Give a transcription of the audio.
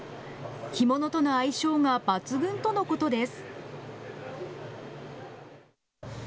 干物との相性が抜群とのことです。